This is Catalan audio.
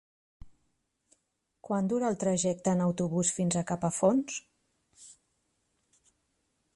Quant dura el trajecte en autobús fins a Capafonts?